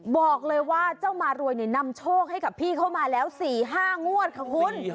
บอกเลยว่าเจ้ามารวยนำโชคให้กับพี่เข้ามาแล้ว๔๕งวดค่ะคุณ